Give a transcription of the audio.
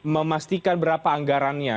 memastikan berapa anggarannya